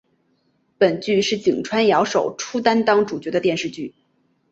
本剧是井川遥首出担当主角的电视剧。